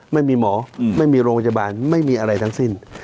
ไม่มีหมอไม่มีโรงพยาบาลไม่มีอะไรทั้งสิ้น